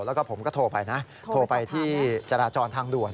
แล้วก็ผมก็โทรไปนะโทรไปที่จราจรทางด่วน